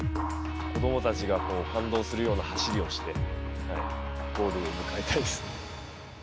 子どもたちが感動するような走りをして、ゴールを迎えたいです。